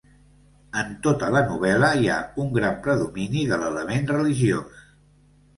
En tota la novel·la hi ha un gran predomini de l'element religiós.